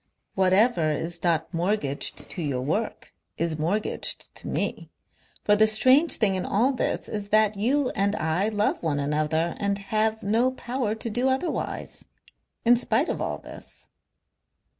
Whatever is not mortgaged to your work is mortgaged to me. For the strange thing in all this is that you and I love one another and have no power to do otherwise. In spite of all this.